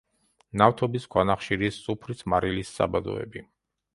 ნავთობის, ქვანახშირის, სუფრის მარილის საბადოები.